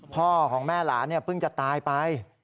พ่อของแม่หลานเพิ่งจะตายไป